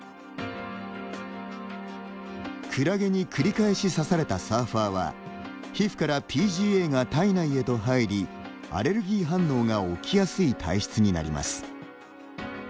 クラゲに繰り返し刺されたサーファーは、皮膚からＰＧＡが体内へと入りアレルギー反応が起きやすい体質になります。